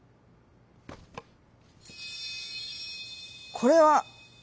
「これは」。